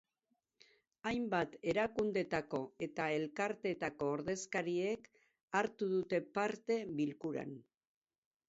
Hainbat erakundetako eta elkartetako ordezkariek hartu dute parte bilkuran.